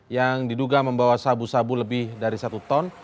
yang diduga membawa sabu sabu lebih dari satu ton